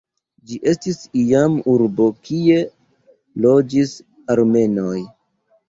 Ĝi estis iam urbo kie loĝis armenoj.